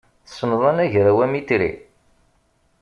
Tessneḍ anagraw amitri?